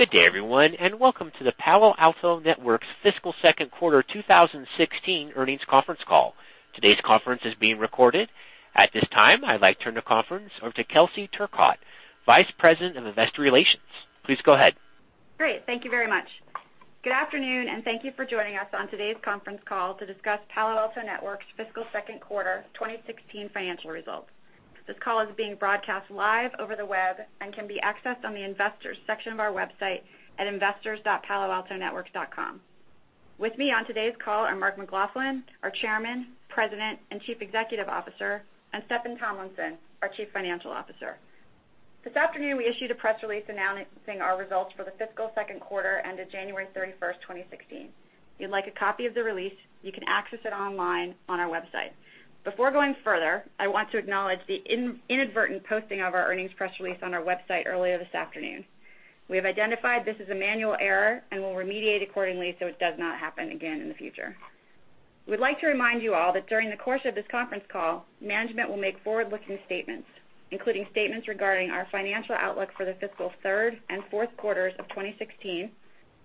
Good day, everyone. Welcome to the Palo Alto Networks fiscal second quarter 2016 earnings conference call. Today's conference is being recorded. At this time, I'd like to turn the conference over to Kelsey Turcotte, Vice President of Investor Relations. Please go ahead. Great. Thank you very much. Good afternoon. Thank you for joining us on today's conference call to discuss Palo Alto Networks' fiscal second quarter 2016 financial results. This call is being broadcast live over the web and can be accessed on the investors section of our website at investors.paloaltonetworks.com. With me on today's call are Mark McLaughlin, our Chairman, President, and Chief Executive Officer, and Steffan Tomlinson, our Chief Financial Officer. This afternoon, we issued a press release announcing our results for the fiscal second quarter ended January 31st, 2016. If you'd like a copy of the release, you can access it online on our website. Before going further, I want to acknowledge the inadvertent posting of our earnings press release on our website earlier this afternoon. We have identified this as a manual error and will remediate accordingly so it does not happen again in the future. We'd like to remind you all that during the course of this conference call, management will make forward-looking statements, including statements regarding our financial outlook for the fiscal third and fourth quarters of 2016,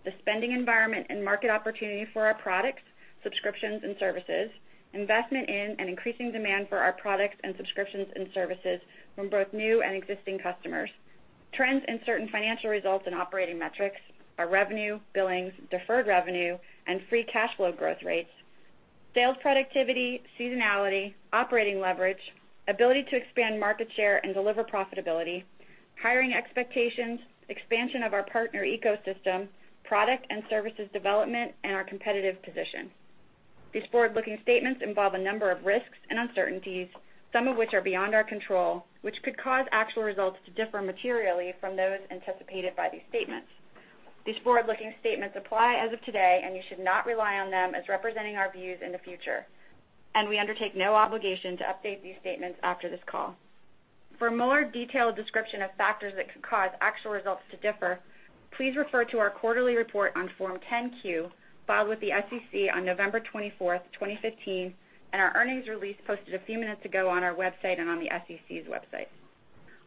the spending environment and market opportunity for our products, subscriptions, and services, investment in and increasing demand for our products and subscriptions and services from both new and existing customers, trends in certain financial results and operating metrics, our revenue, billings, deferred revenue, and free cash flow growth rates, sales productivity, seasonality, operating leverage, ability to expand market share and deliver profitability, hiring expectations, expansion of our partner ecosystem, product and services development, and our competitive position. These forward-looking statements involve a number of risks and uncertainties, some of which are beyond our control, which could cause actual results to differ materially from those anticipated by these statements. These forward-looking statements apply as of today. You should not rely on them as representing our views in the future. We undertake no obligation to update these statements after this call. For a more detailed description of factors that could cause actual results to differ, please refer to our quarterly report on Form 10-Q, filed with the SEC on November 24th, 2015, and our earnings release posted a few minutes ago on our website and on the SEC's website.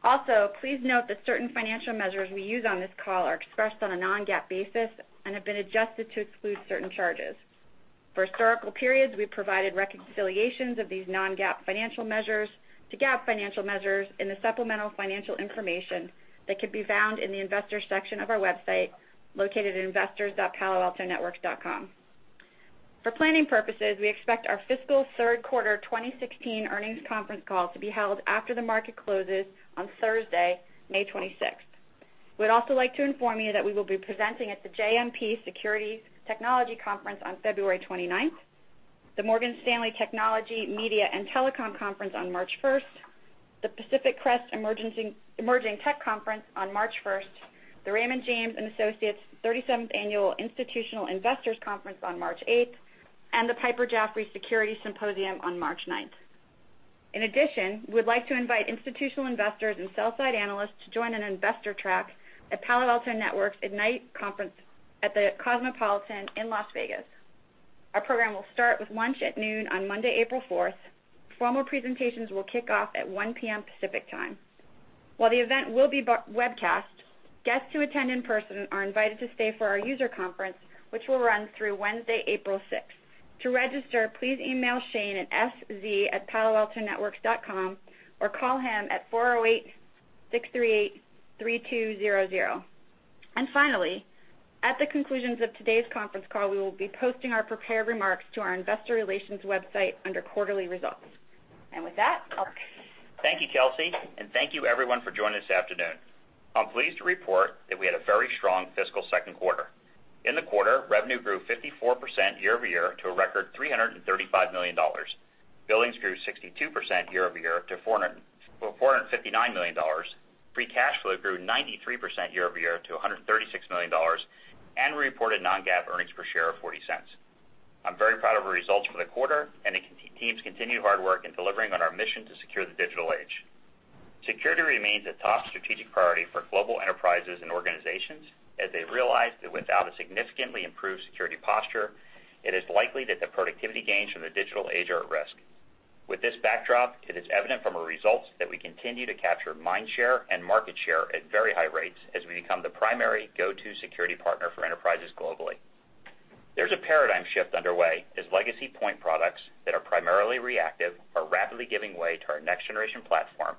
Also, please note that certain financial measures we use on this call are expressed on a non-GAAP basis and have been adjusted to exclude certain charges. For historical periods, we've provided reconciliations of these non-GAAP financial measures to GAAP financial measures in the supplemental financial information that can be found in the investor section of our website, located at investors.paloaltonetworks.com. For planning purposes, we expect our fiscal third quarter 2016 earnings conference call to be held after the market closes on Thursday, May 26th. We'd also like to inform you that we will be presenting at the JMP Securities Technology Conference on February 29th, the Morgan Stanley Technology, Media, and Telecom Conference on March 1st, the Pacific Crest Emerging Tech Conference on March 1st, the Raymond James & Associates 37th Annual Institutional Investors Conference on March 8th, and the Piper Jaffray Securities Symposium on March 9th. In addition, we'd like to invite institutional investors and sell-side analysts to join an investor track at Palo Alto Networks Ignite Conference at the Cosmopolitan in Las Vegas. Our program will start with lunch at noon on Monday, April 4th. Formal presentations will kick off at 1:00 P.M. Pacific Time. While the event will be webcast, guests who attend in person are invited to stay for our user conference, which will run through Wednesday, April 6th. To register, please email Shane at sz@paloaltonetworks.com or call him at 408-638-3200. Finally, at the conclusion of today's conference call, we will be posting our prepared remarks to our investor relations website under quarterly results. With that, Mark. Thank you, Kelsey, and thank you everyone for joining this afternoon. I'm pleased to report that we had a very strong fiscal second quarter. In the quarter, revenue grew 54% year-over-year to a record $335 million. Billings grew 62% year-over-year to $459 million. Free cash flow grew 93% year-over-year to $136 million. We reported non-GAAP earnings per share of $0.40. I'm very proud of our results for the quarter and the team's continued hard work in delivering on our mission to secure the digital age. Security remains a top strategic priority for global enterprises and organizations, as they've realized that without a significantly improved security posture, it is likely that the productivity gains from the digital age are at risk. With this backdrop, it is evident from our results that we continue to capture mind share and market share at very high rates as we become the primary go-to security partner for enterprises globally. There's a paradigm shift underway as legacy point products that are primarily reactive are rapidly giving way to our next-generation platform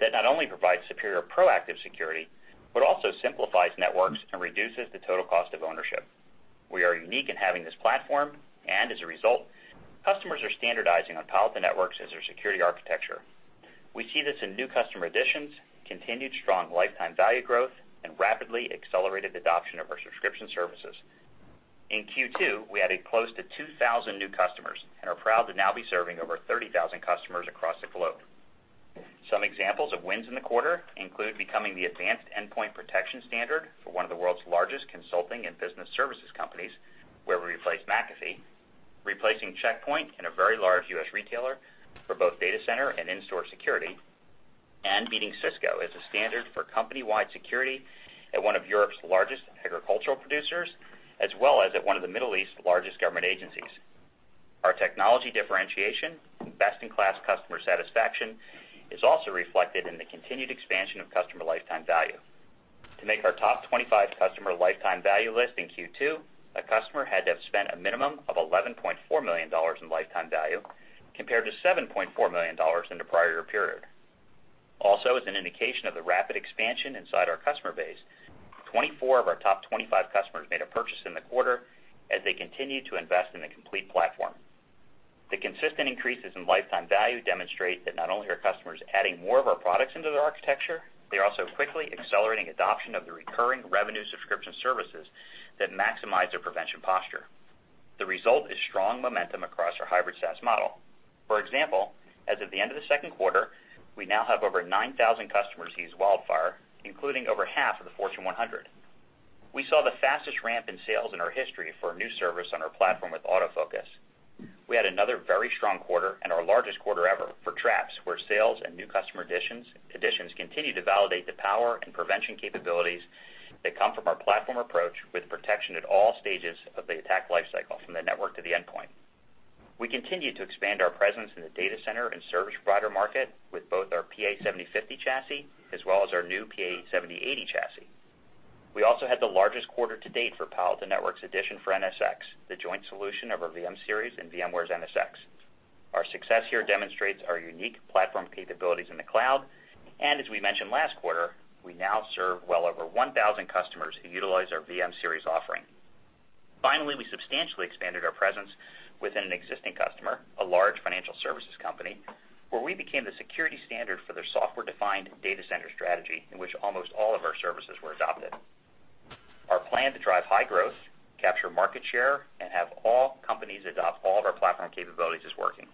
that not only provides superior proactive security, but also simplifies networks and reduces the total cost of ownership. We are unique in having this platform, and as a result, customers are standardizing on Palo Alto Networks as their security architecture. We see this in new customer additions, continued strong lifetime value growth, and rapidly accelerated adoption of our subscription services. In Q2, we added close to 2,000 new customers and are proud to now be serving over 30,000 customers across the globe. Some examples of wins in the quarter include becoming the advanced endpoint protection standard for one of the world's largest consulting and business services companies, where we replaced McAfee, replacing Check Point in a very large U.S. retailer for both data center and in-store security, beating Cisco as a standard for company-wide security at one of Europe's largest agricultural producers, as well as at one of the Middle East's largest government agencies. Our technology differentiation and best-in-class customer satisfaction is also reflected in the continued expansion of customer lifetime value. To make our top 25 customer lifetime value list in Q2, a customer had to have spent a minimum of $11.4 million in lifetime value, compared to $7.4 million in the prior year period. As an indication of the rapid expansion inside our customer base, 24 of our top 25 customers made a purchase in the quarter as they continued to invest in the complete platform. The consistent increases in lifetime value demonstrate that not only are customers adding more of our products into their architecture, they are also quickly accelerating adoption of the recurring revenue subscription services that maximize their prevention posture. The result is strong momentum across our hybrid SaaS model. For example, as of the end of the second quarter, we now have over 9,000 customers use WildFire, including over half of the Fortune 100. We saw the fastest ramp in sales in our history for a new service on our platform with AutoFocus. We had another very strong quarter and our largest quarter ever for Traps, where sales and new customer additions continue to validate the power and prevention capabilities that come from our platform approach with protection at all stages of the attack life cycle, from the network to the endpoint. We continue to expand our presence in the data center and service provider market with both our PA-7050 chassis as well as our new PA-7080 chassis. We also had the largest quarter to date for Palo Alto Networks' addition for NSX, the joint solution of our VM-Series and VMware's NSX. Our success here demonstrates our unique platform capabilities in the cloud, and as we mentioned last quarter, we now serve well over 1,000 customers who utilize our VM-Series offering. We substantially expanded our presence within an existing customer, a large financial services company, where we became the security standard for their software-defined data center strategy, in which almost all of our services were adopted. Our plan to drive high growth, capture market share, and have all companies adopt all of our platform capabilities is working.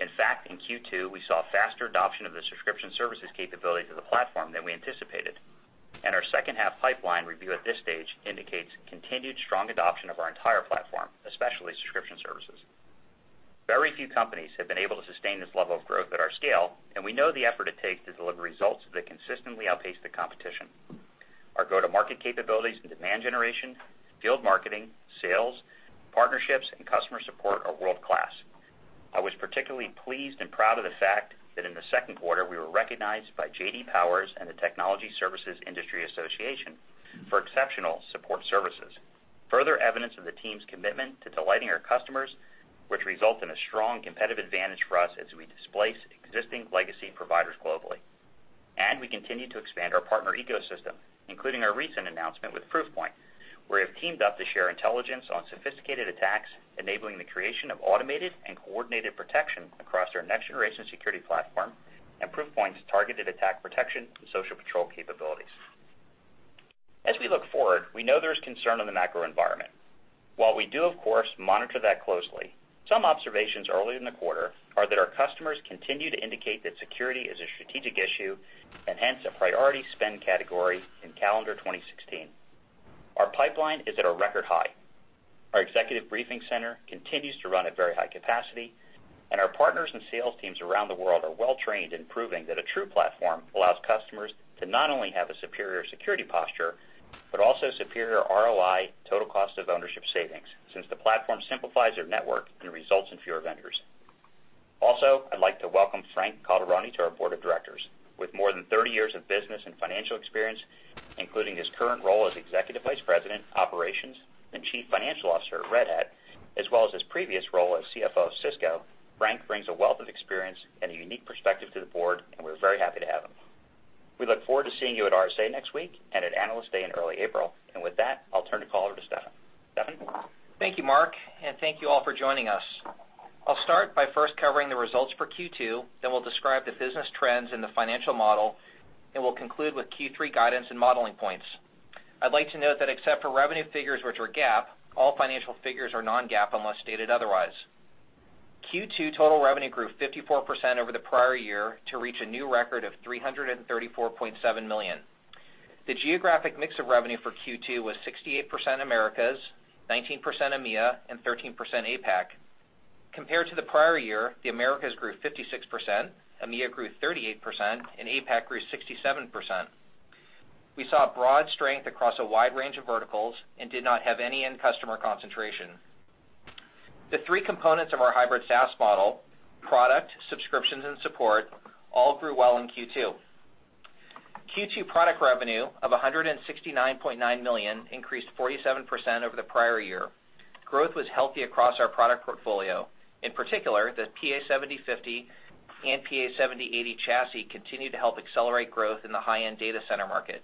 In fact, in Q2, we saw faster adoption of the subscription services capabilities of the platform than we anticipated, and our second-half pipeline review at this stage indicates continued strong adoption of our entire platform, especially subscription services. Very few companies have been able to sustain this level of growth at our scale, and we know the effort it takes to deliver results that consistently outpace the competition. Our go-to-market capabilities and demand generation, field marketing, sales, partnerships, and customer support are world-class. I was particularly pleased and proud of the fact that in the second quarter, we were recognized by J.D. Power and the Technology Services Industry Association for exceptional support services. Further evidence of the team's commitment to delighting our customers, which result in a strong competitive advantage for us as we displace existing legacy providers globally. We continue to expand our partner ecosystem, including our recent announcement with Proofpoint, where we have teamed up to share intelligence on sophisticated attacks, enabling the creation of automated and coordinated protection across our next-generation security platform and Proofpoint's targeted attack protection and social patrol capabilities. As we look forward, we know there is concern in the macro environment. While we do, of course, monitor that closely, some observations early in the quarter are that our customers continue to indicate that security is a strategic issue and hence a priority spend category in calendar 2016. Our pipeline is at a record high. Our executive briefing center continues to run at very high capacity. Our partners and sales teams around the world are well-trained and proving that a true platform allows customers to not only have a superior security posture, but also superior ROI total cost of ownership savings, since the platform simplifies their network and results in fewer vendors. Also, I'd like to welcome Frank Calderoni to our board of directors. With more than 30 years of business and financial experience, including his current role as Executive Vice President of Operations and Chief Financial Officer at Red Hat, as well as his previous role as CFO of Cisco, Frank brings a wealth of experience and a unique perspective to the board, and we're very happy to have him. We look forward to seeing you at RSA next week and at Analyst Day in early April. With that, I'll turn the call over to Steffan. Steffan? Thank you, Mark, and thank you all for joining us. I'll start by first covering the results for Q2. We'll describe the business trends and the financial model. We'll conclude with Q3 guidance and modeling points. I'd like to note that except for revenue figures which are GAAP, all financial figures are non-GAAP unless stated otherwise. Q2 total revenue grew 54% over the prior year to reach a new record of $334.7 million. The geographic mix of revenue for Q2 was 68% Americas, 19% EMEA, and 13% APAC. Compared to the prior year, the Americas grew 56%, EMEA grew 38%, and APAC grew 67%. We saw broad strength across a wide range of verticals and did not have any end customer concentration. The three components of our hybrid SaaS model, product, subscriptions, and support, all grew well in Q2. Q2 product revenue of $169.9 million increased 47% over the prior year. Growth was healthy across our product portfolio. In particular, the PA-7050 and PA-7080 chassis continued to help accelerate growth in the high-end data center market.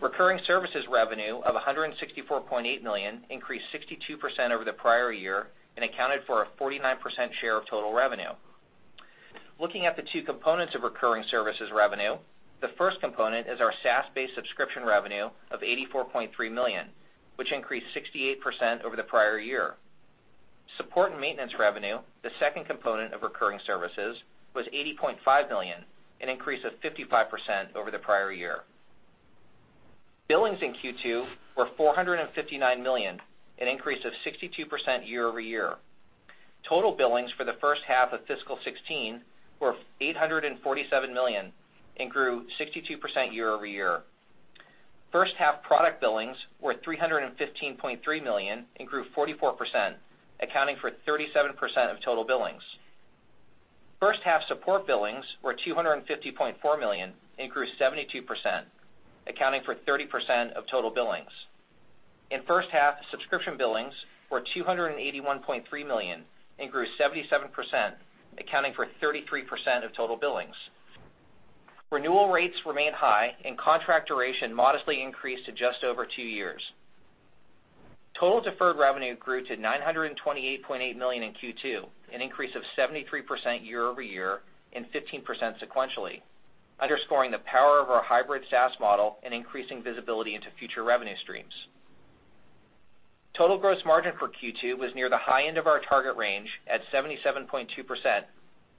Recurring services revenue of $164.8 million increased 62% over the prior year and accounted for a 49% share of total revenue. Looking at the two components of recurring services revenue, the first component is our SaaS-based subscription revenue of $84.3 million, which increased 68% over the prior year. Support and maintenance revenue, the second component of recurring services, was $80.5 million, an increase of 55% over the prior year. Billings in Q2 were $459 million, an increase of 62% year-over-year. Total billings for the first half of fiscal 2016 were $847 million and grew 62% year-over-year. First half product billings were $315.3 million and grew 44%, accounting for 37% of total billings. First half support billings were $250.4 million and grew 72%, accounting for 30% of total billings. In first half, subscription billings were $281.3 million and grew 77%, accounting for 33% of total billings. Renewal rates remain high, and contract duration modestly increased to just over two years. Total deferred revenue grew to $928.8 million in Q2, an increase of 73% year-over-year and 15% sequentially, underscoring the power of our hybrid SaaS model and increasing visibility into future revenue streams. Total gross margin for Q2 was near the high end of our target range at 77.2%,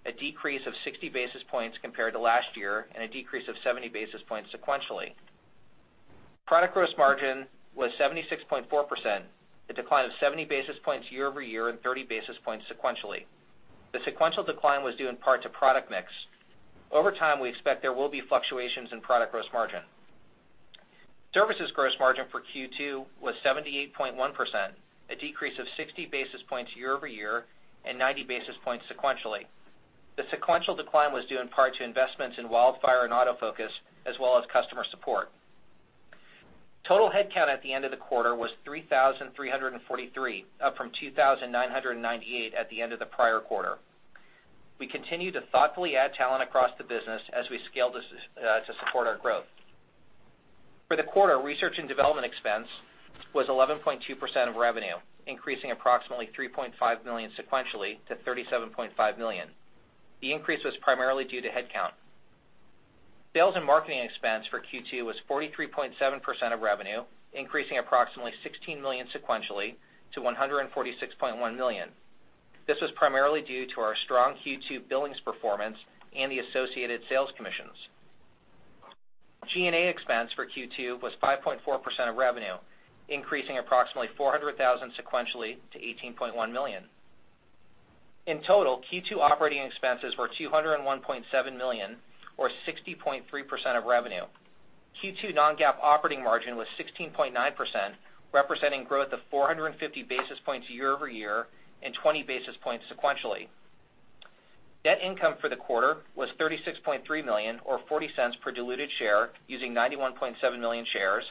a decrease of 60 basis points compared to last year, and a decrease of 70 basis points sequentially. Product gross margin was 76.4%, a decline of 70 basis points year-over-year and 30 basis points sequentially. The sequential decline was due in part to product mix. Over time, we expect there will be fluctuations in product gross margin. Services gross margin for Q2 was 78.1%, a decrease of 60 basis points year-over-year and 90 basis points sequentially. The sequential decline was due in part to investments in WildFire and AutoFocus, as well as customer support. Total headcount at the end of the quarter was 3,343, up from 2,998 at the end of the prior quarter. We continue to thoughtfully add talent across the business as we scale to support our growth. For the quarter, research and development expense was 11.2% of revenue, increasing approximately $3.5 million sequentially to $37.5 million. The increase was primarily due to headcount. Sales and marketing expense for Q2 was 43.7% of revenue, increasing approximately $16 million sequentially to $146.1 million. This was primarily due to our strong Q2 billings performance and the associated sales commissions. G&A expense for Q2 was 5.4% of revenue, increasing approximately $400,000 sequentially to $18.1 million. In total, Q2 operating expenses were $201.7 million or 60.3% of revenue. Q2 non-GAAP operating margin was 16.9%, representing growth of 450 basis points year-over-year and 20 basis points sequentially. Net income for the quarter was $36.3 million or $0.40 per diluted share using 91.7 million shares,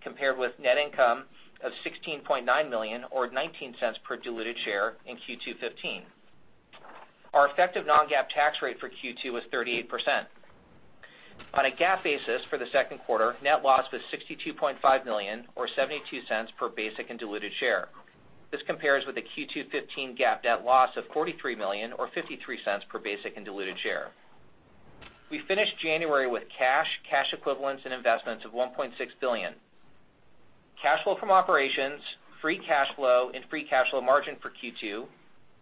compared with net income of $16.9 million or $0.19 per diluted share in Q2 2015. Our effective non-GAAP tax rate for Q2 was 38%. On a GAAP basis for the second quarter, net loss was $62.5 million or $0.72 per basic and diluted share. This compares with the Q2 2015 GAAP net loss of $43 million or $0.53 per basic and diluted share. We finished January with cash equivalents and investments of $1.6 billion. Cash flow from operations, free cash flow and free cash flow margin for Q2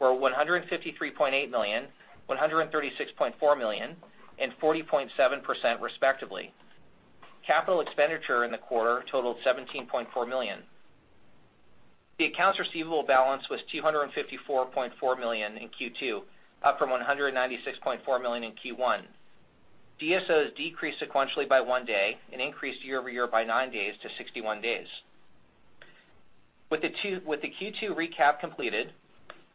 were $153.8 million, $136.4 million and 40.7% respectively. Capital expenditure in the quarter totaled $17.4 million. The accounts receivable balance was $254.4 million in Q2, up from $196.4 million in Q1. DSOs decreased sequentially by one day and increased year-over-year by nine days to 61 days. With the Q2 recap completed,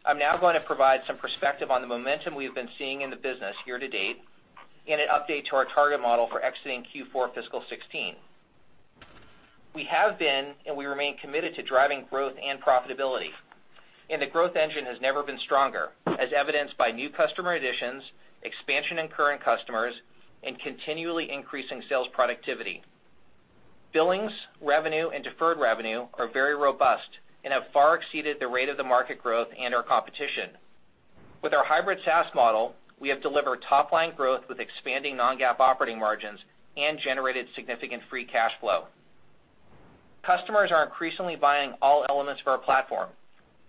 I'm now going to provide some perspective on the momentum we've been seeing in the business year to date and an update to our target model for exiting Q4 fiscal 2016. We have been, and we remain committed to driving growth and profitability. The growth engine has never been stronger, as evidenced by new customer additions, expansion in current customers, and continually increasing sales productivity. Billings, revenue, and deferred revenue are very robust and have far exceeded the rate of the market growth and our competition. With our hybrid SaaS model, we have delivered top-line growth with expanding non-GAAP operating margins and generated significant free cash flow. Customers are increasingly buying all elements of our platform,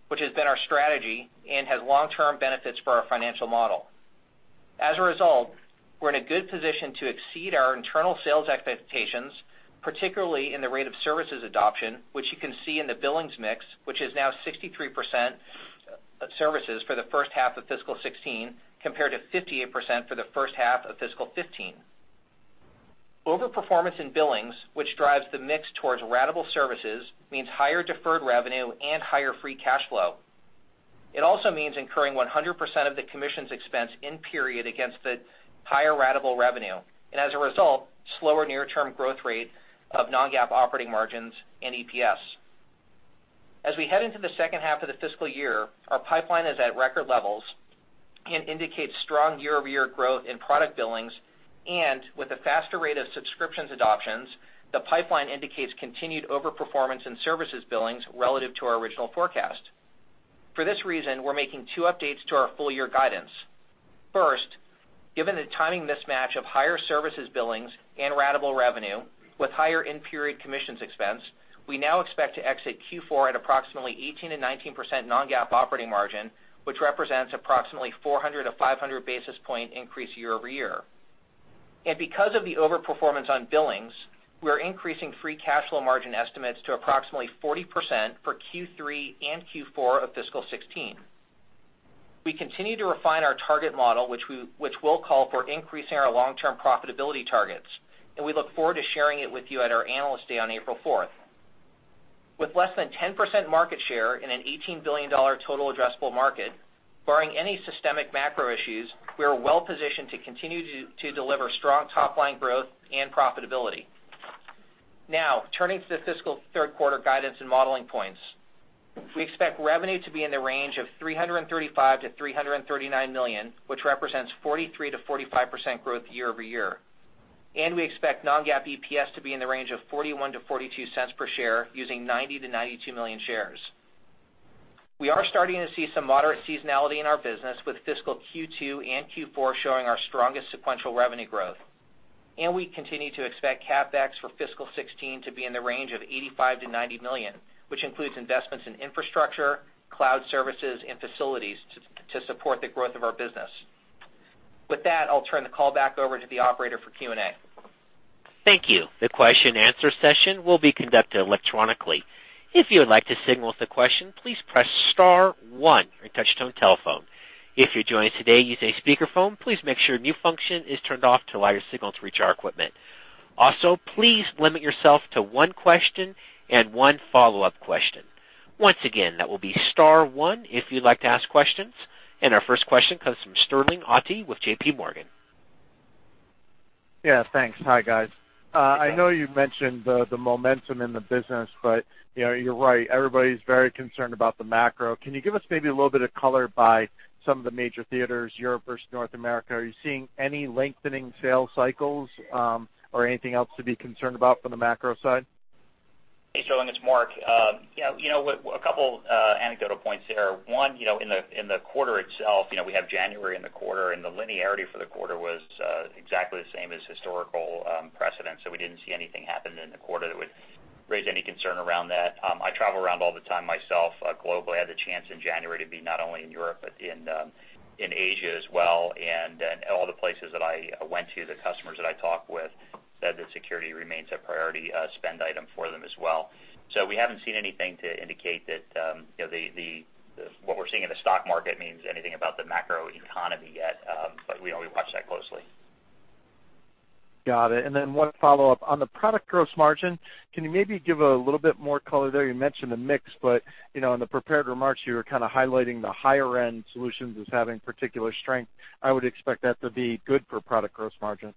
which has been our strategy and has long-term benefits for our financial model. As a result, we're in a good position to exceed our internal sales expectations, particularly in the rate of services adoption, which you can see in the billings mix, which is now 63% of services for the first half of fiscal 2016, compared to 58% for the first half of fiscal 2015. Over-performance in billings, which drives the mix towards ratable services, means higher deferred revenue and higher free cash flow. It also means incurring 100% of the commissions expense in period against the higher ratable revenue, as a result, slower near-term growth rate of non-GAAP operating margins and EPS. As we head into the second half of the fiscal year, our pipeline is at record levels and indicates strong year-over-year growth in product billings. With a faster rate of subscriptions adoptions, the pipeline indicates continued over-performance in services billings relative to our original forecast. For this reason, we're making two updates to our full year guidance. First, given the timing mismatch of higher services billings and ratable revenue with higher in-period commissions expense, we now expect to exit Q4 at approximately 18%-19% non-GAAP operating margin, which represents approximately 400-500 basis point increase year-over-year. Because of the over-performance on billings, we are increasing free cash flow margin estimates to approximately 40% for Q3 and Q4 of fiscal 2016. We continue to refine our target model, which will call for increasing our long-term profitability targets. We look forward to sharing it with you at our Analyst Day on April 4th. With less than 10% market share in an $18 billion total addressable market, barring any systemic macro issues, we are well-positioned to continue to deliver strong top-line growth and profitability. Now, turning to the fiscal third quarter guidance and modeling points. We expect revenue to be in the range of $335 million-$339 million, which represents 43%-45% growth year-over-year. We expect non-GAAP EPS to be in the range of $0.41-$0.42 per share using 90 million-92 million shares. We are starting to see some moderate seasonality in our business with fiscal Q2 and Q4 showing our strongest sequential revenue growth. We continue to expect CapEx for fiscal 2016 to be in the range of $85 million-$90 million, which includes investments in infrastructure, cloud services, and facilities to support the growth of our business. With that, I'll turn the call back over to the operator for Q&A. Thank you. The question and answer session will be conducted electronically. If you would like to signal with a question, please press star one on your touch-tone telephone. If you're joining us today using a speakerphone, please make sure mute function is turned off to allow your signal to reach our equipment. Also, please limit yourself to one question and one follow-up question. Once again, that will be star one if you'd like to ask questions. Our first question comes from Sterling Auty with JPMorgan. Yeah, thanks. Hi, guys. I know you mentioned the momentum in the business, but you're right, everybody's very concerned about the macro. Can you give us maybe a little bit of color by some of the major theaters, Europe versus North America? Are you seeing any lengthening sales cycles or anything else to be concerned about from the macro side? Hey, Sterling, it's Mark. A couple anecdotal points there. One, in the quarter itself, we have January in the quarter. The linearity for the quarter was exactly the same as historical precedents, so we didn't see anything happen in the quarter that would raise any concern around that. I travel around all the time myself globally. I had the chance in January to be not only in Europe, but in Asia as well. All the places that I went to, the customers that I talked with said that security remains a priority spend item for them as well. We haven't seen anything to indicate that what we're seeing in the stock market means anything about the macro economy yet, but we watch that closely. Got it. One follow-up. On the product gross margin, can you maybe give a little bit more color there? You mentioned the mix. In the prepared remarks, you were kind of highlighting the higher-end solutions as having particular strength. I would expect that to be good for product gross margin.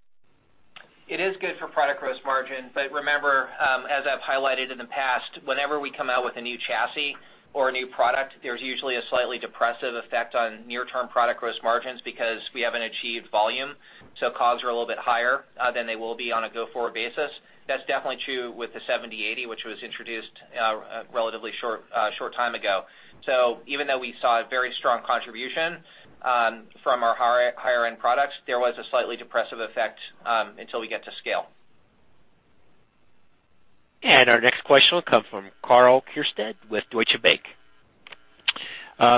It is good for product gross margin. Remember, as I've highlighted in the past, whenever we come out with a new chassis or a new product, there's usually a slightly depressive effect on near-term product gross margins because we haven't achieved volume, so costs are a little bit higher than they will be on a go-forward basis. That's definitely true with the 7080, which was introduced a relatively short time ago. Even though we saw a very strong contribution from our higher-end products, there was a slightly depressive effect until we get to scale. Our next question will come from Karl Keirstead with Deutsche Bank.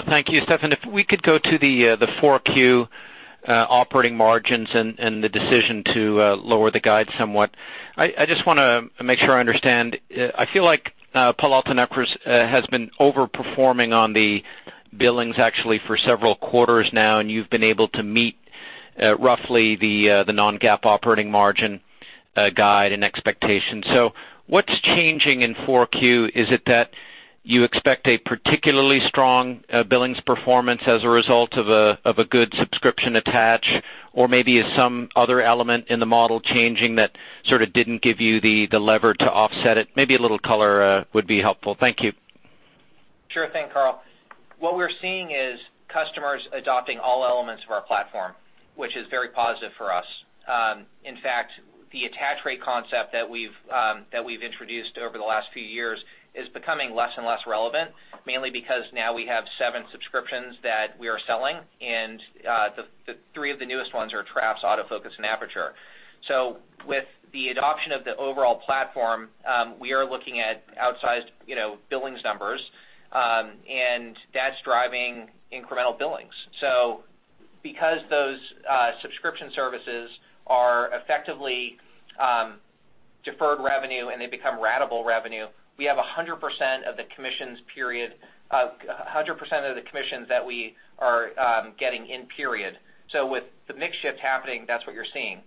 Thank you, Steffan. If we could go to the 4Q operating margins and the decision to lower the guide somewhat. I just want to make sure I understand. I feel like Palo Alto Networks has been over-performing on the billings actually for several quarters now, and you've been able to meet roughly the non-GAAP operating margin guide and expectations. What's changing in 4Q? Is it that you expect a particularly strong billings performance as a result of a good subscription attach, or maybe is some other element in the model changing that sort of didn't give you the lever to offset it? Maybe a little color would be helpful. Thank you. Sure thing, Karl. What we're seeing is customers adopting all elements of our platform, which is very positive for us. In fact, the attach rate concept that we've introduced over the last few years is becoming less and less relevant, mainly because now we have seven subscriptions that we are selling, and three of the newest ones are Traps, AutoFocus, and Aperture. With the adoption of the overall platform, we are looking at outsized billings numbers, and that's driving incremental billings. Because those subscription services are effectively deferred revenue and they become ratable revenue, we have 100% of the commissions that we are getting in period. With the mix shift happening, that's what you're seeing.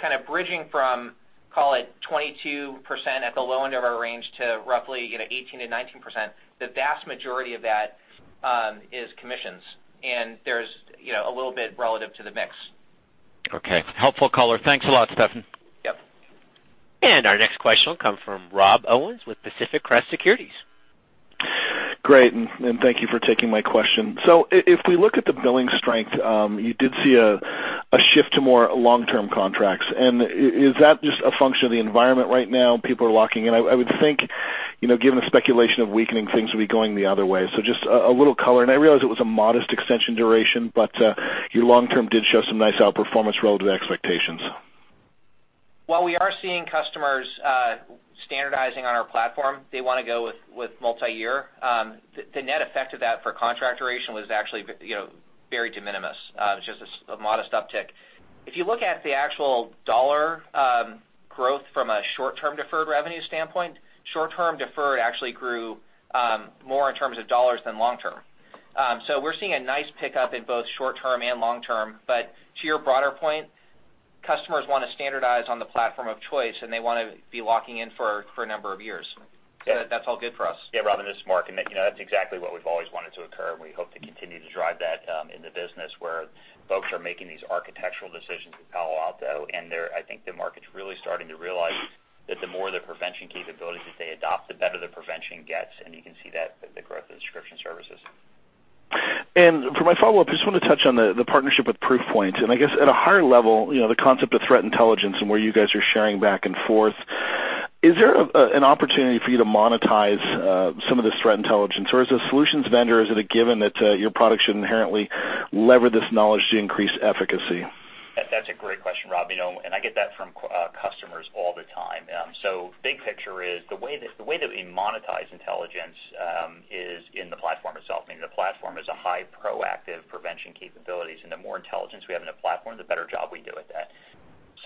Kind of bridging from, call it 22% at the low end of our range to roughly 18%-19%, the vast majority of that is commissions, and there's a little bit relative to the mix. Okay. Helpful color. Thanks a lot, Steffan. Yep. Our next question will come from Rob Owens with Pacific Crest Securities. Great, thank you for taking my question. If we look at the billing strength, you did see a shift to more long-term contracts. Is that just a function of the environment right now, people are locking in? I would think, given the speculation of weakening things will be going the other way. Just a little color, and I realize it was a modest extension duration, but your long-term did show some nice outperformance relative to expectations. While we are seeing customers standardizing on our platform, they want to go with multi-year. The net effect of that for contract duration was actually very de minimis. It's just a modest uptick. If you look at the actual dollar growth from a short-term deferred revenue standpoint, short-term deferred actually grew more in terms of dollars than long-term. We're seeing a nice pickup in both short-term and long-term. To your broader point. Customers want to standardize on the platform of choice, and they want to be locking in for a number of years. That's all good for us. Yeah, Rob, this is Mark. That's exactly what we've always wanted to occur, and we hope to continue to drive that in the business where folks are making these architectural decisions with Palo Alto, and I think the market's really starting to realize that the more the prevention capabilities that they adopt, the better the prevention gets, and you can see that with the growth of the subscription services. For my follow-up, just want to touch on the partnership with Proofpoint, and I guess at a higher level, the concept of threat intelligence and where you guys are sharing back and forth. Is there an opportunity for you to monetize some of this threat intelligence, or as a solutions vendor, is it a given that your product should inherently lever this knowledge to increase efficacy? That's a great question, Rob. I get that from customers all the time. Big picture is the way that we monetize intelligence is in the platform itself, meaning the platform is a high proactive prevention capabilities, and the more intelligence we have in the platform, the better job we do with that.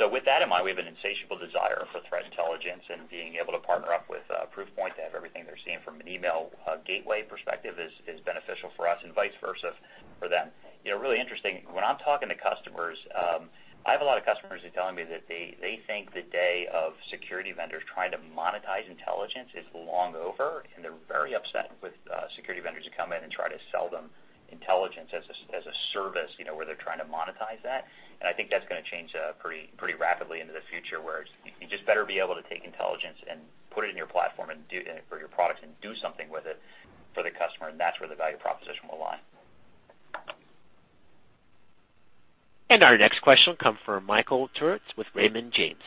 With that in mind, we have an insatiable desire for threat intelligence and being able to partner up with Proofpoint to have everything they're seeing from an email gateway perspective is beneficial for us and vice versa for them. Really interesting, when I'm talking to customers, I have a lot of customers who telling me that they think the day of security vendors trying to monetize intelligence is long over, and they're very upset with security vendors who come in and try to sell them intelligence as a service where they're trying to monetize that. I think that's going to change pretty rapidly into the future, where you just better be able to take intelligence and put it in your platform or your product and do something with it for the customer, and that's where the value proposition will lie. Our next question will come from Michael Turits with Raymond James.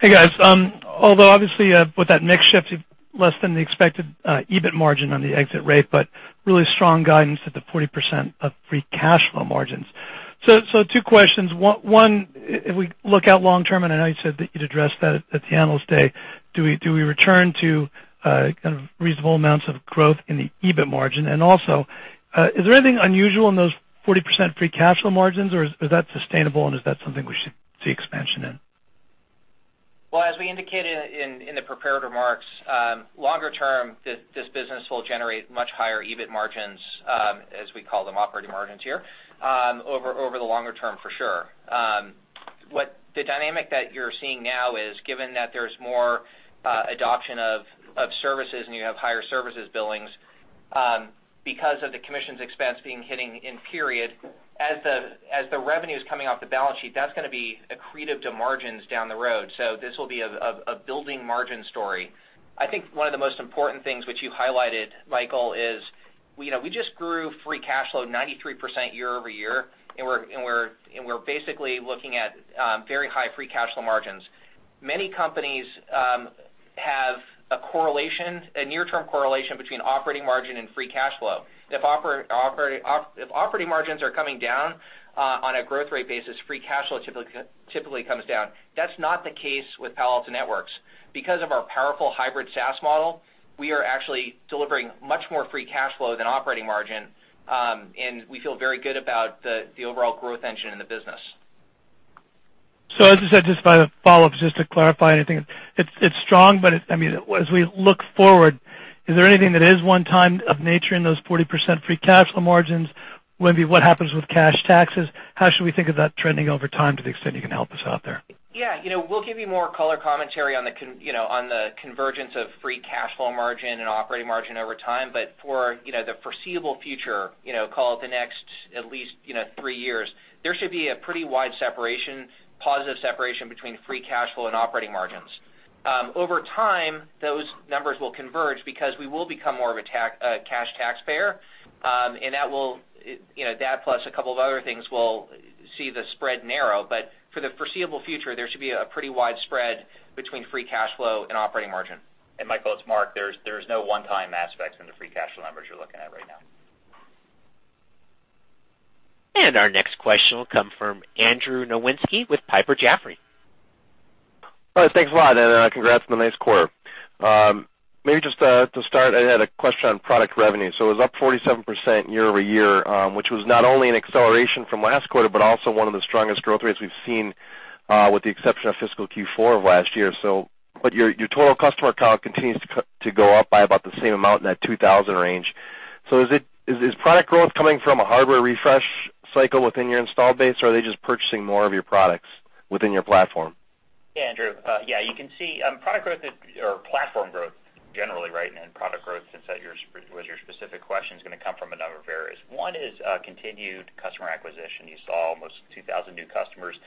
Hey, guys. Obviously, with that mix shift, you've less than the expected EBIT margin on the exit rate, but really strong guidance at the 40% of free cash flow margins. Two questions. One, if we look out long term, and I know you said that you'd address that at the Analyst Day, do we return to reasonable amounts of growth in the EBIT margin? Also, is there anything unusual in those 40% free cash flow margins, or is that sustainable, and is that something we should see expansion in? Well, as we indicated in the prepared remarks, longer term, this business will generate much higher EBIT margins, as we call them, operating margins here, over the longer term, for sure. What the dynamic that you're seeing now is given that there's more adoption of services and you have higher services billings because of the commissions expense being hitting in period, as the revenues coming off the balance sheet, that's going to be accretive to margins down the road. This will be a building margin story. I think one of the most important things which you highlighted, Michael, is we just grew free cash flow 93% year-over-year, and we're basically looking at very high free cash flow margins. Many companies have a correlation, a near-term correlation between operating margin and free cash flow. If operating margins are coming down on a growth rate basis, free cash flow typically comes down. That's not the case with Palo Alto Networks. Because of our powerful hybrid SaaS model, we are actually delivering much more free cash flow than operating margin, and we feel very good about the overall growth engine in the business. As you said, just by the follow-up, just to clarify anything, it's strong, but as we look forward, is there anything that is one time of nature in those 40% free cash flow margins? Maybe what happens with cash taxes? How should we think of that trending over time to the extent you can help us out there? Yeah. We'll give you more color commentary on the convergence of free cash flow margin and operating margin over time. For the foreseeable future, call it the next at least three years, there should be a pretty wide separation, positive separation between free cash flow and operating margins. Over time, those numbers will converge because we will become more of a cash taxpayer, and that plus a couple of other things will see the spread narrow. For the foreseeable future, there should be a pretty wide spread between free cash flow and operating margin. Michael, it's Mark. There's no one-time aspects in the free cash flow numbers you're looking at right now. Our next question will come from Andrew Nowinski with Piper Jaffray. All right, thanks a lot, and congrats on the nice quarter. Maybe just to start, I had a question on product revenue. It was up 47% year-over-year, which was not only an acceleration from last quarter, but also one of the strongest growth rates we've seen with the exception of fiscal Q4 of last year. Your total customer count continues to go up by about the same amount in that 2,000 range. Is product growth coming from a hardware refresh cycle within your install base, or are they just purchasing more of your products within your platform? Yeah, Andrew. You can see product growth or platform growth generally, and product growth since that was your specific question is going to come from a number of areas. One is continued customer acquisition. You saw almost 2,000 new customers.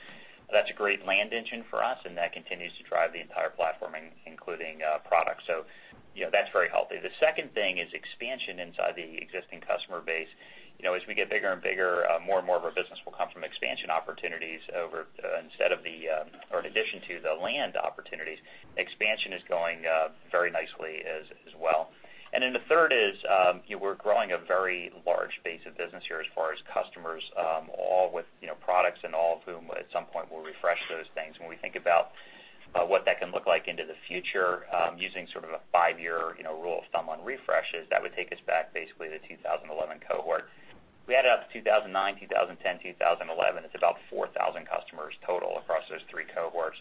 That's a great land engine for us, and that continues to drive the entire platform, including products. That's very healthy. The second thing is expansion inside the existing customer base. As we get bigger and bigger, more and more of our business will come from expansion opportunities in addition to the land opportunities. Expansion is going very nicely as well. The third is we're growing a very large base of business here as far as customers all with products and all of whom at some point will refresh those things. When we think about what that can look like into the future using sort of a five-year rule of thumb on refreshes, that would take us back basically to the 2011 cohort. If we add up 2009, 2010, 2011, it's about 4,000 customers total. Across those three cohorts,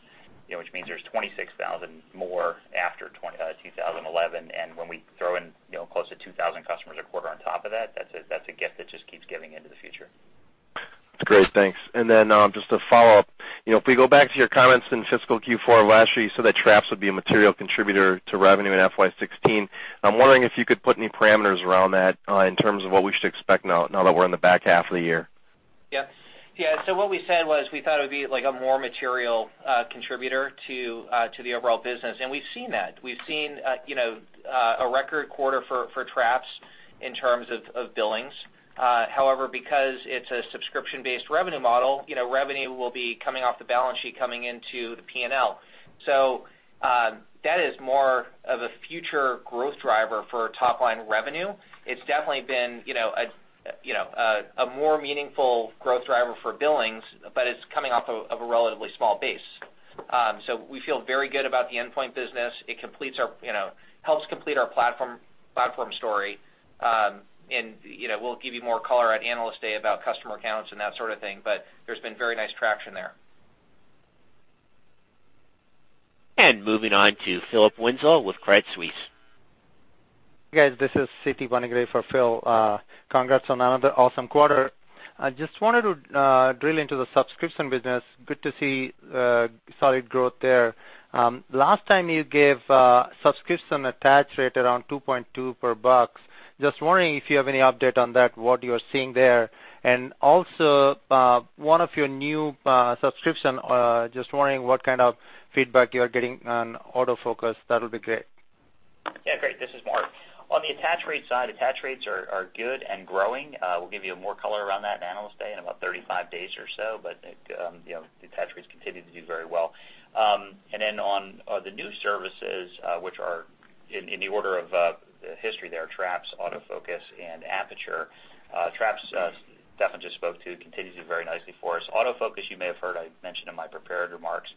which means there's 26,000 more after 2011. When we throw in close to 2,000 customers a quarter on top of that's a gift that just keeps giving into the future. Great. Thanks. Just a follow-up. If we go back to your comments in fiscal Q4 of last year, you said that Traps would be a material contributor to revenue in FY 2016. I'm wondering if you could put any parameters around that in terms of what we should expect now that we're in the back half of the year. What we said was we thought it would be a more material contributor to the overall business, we've seen that. We've seen a record quarter for Traps in terms of billings. However, because it's a subscription-based revenue model, revenue will be coming off the balance sheet, coming into the P&L. That is more of a future growth driver for top-line revenue. It's definitely been a more meaningful growth driver for billings, but it's coming off of a relatively small base. We feel very good about the endpoint business. It helps complete our platform story. We'll give you more color at Analyst Day about customer counts and that sort of thing, but there's been very nice traction there. Moving on to Philip Winslow with Credit Suisse. Guys, this is Sithi Wanigaratne for Phil. Congrats on another awesome quarter. I just wanted to drill into the subscription business. Good to see solid growth there. Last time you gave subscription attach rate around $2.2. Wondering if you have any update on that, what you are seeing there. Also, one of your new subscription, just wondering what kind of feedback you are getting on AutoFocus. That'll be great. Yeah, great. This is Mark. On the attach rate side, attach rates are good and growing. We'll give you more color around that at Analyst Day in about 35 days or so, the attach rates continue to do very well. On the new services, which are in the order of the history there, Traps, AutoFocus, and Aperture. Traps, Steffan just spoke to, continues to do very nicely for us. AutoFocus, you may have heard I mentioned in my prepared remarks.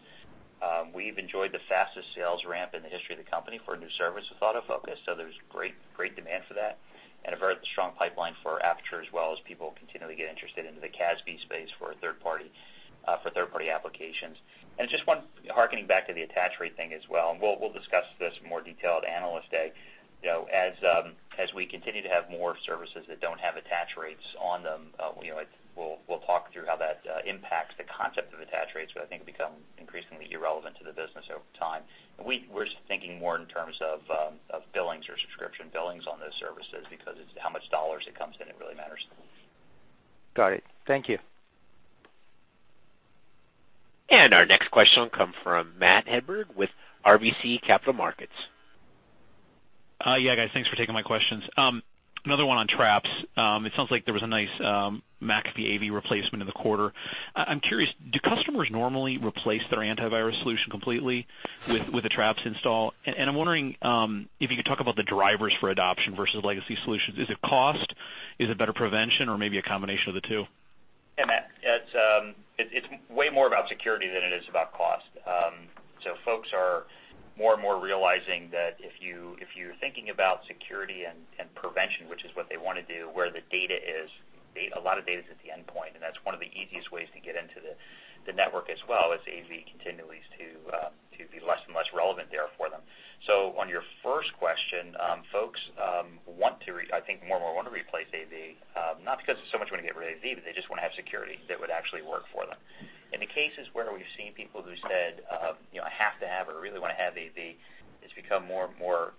We've enjoyed the fastest sales ramp in the history of the company for a new service with AutoFocus. There's great demand for that and a very strong pipeline for Aperture as well as people continually get interested into the CASB space for third-party applications. Just one hearkening back to the attach rate thing as well, we'll discuss this in more detail at Analyst Day. As we continue to have more services that don't have attach rates on them, we'll talk through how that impacts the concept of attach rates, which I think become increasingly irrelevant to the business over time. We're thinking more in terms of billings or subscription billings on those services because it's how much dollars it comes in, it really matters. Got it. Thank you. Our next question will come from Matthew Hedberg with RBC Capital Markets. Yeah, guys, thanks for taking my questions. Another one on Traps. It sounds like there was a nice McAfee AV replacement in the quarter. I'm curious, do customers normally replace their antivirus solution completely with a Traps install? I'm wondering if you could talk about the drivers for adoption versus legacy solutions. Is it cost? Is it better prevention or maybe a combination of the two? Matt. It's way more about security than it is about cost. Folks are more and more realizing that if you're thinking about security and prevention, which is what they want to do, where the data is, a lot of data's at the endpoint, and that's one of the easiest ways to get into the network as well as AV continues to be less and less relevant there for them. On your first question, folks, I think more and more want to replace AV, not because they so much want to get rid of AV, but they just want to have security that would actually work for them. In the cases where we've seen people who said, "I have to have or really want to have AV," it's become more and more